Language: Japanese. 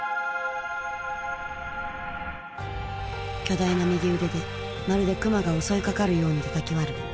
巨大な右腕でまるでクマが襲いかかるようにたたき割る。